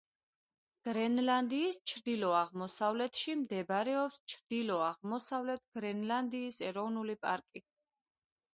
გრენლანდიის ჩრდილო-აღმოსავლეთში მდებარეობს ჩრდილო-აღმოსავლეთ გრენლანდიის ეროვნული პარკი.